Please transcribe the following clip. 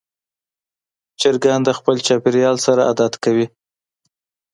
چرګان د خپل چاپېریال سره عادت کوي.